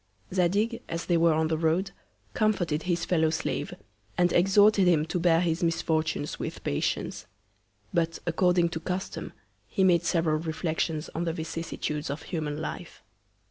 Zadig, as they were on the Road, comforted his Fellow Slave, and exhorted him to bear his Misfortunes with Patience: But, according to Custom, he made several Reflections on the Vicissitudes of human Life.